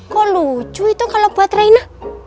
kok lucu itu kalau buat raina